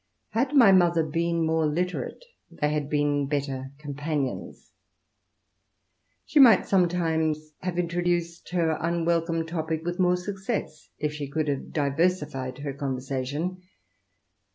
Had my mother been more literate, they had been better companions. She might have sometimes introduced her unwelcome topic with more success, if she could have diversified her con versation.